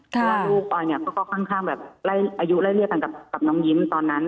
เพราะว่าลูกออยก็ค่อนข้างอายุไล่เรียบกันกับน้องยิ้มตอนนั้น